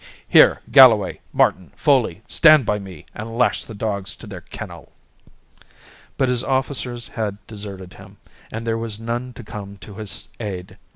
Here, Galloway, Martin, Foley, stand by me and lash the dogs to their kennel!" But his officers had deserted him, and there was none to come to his aid.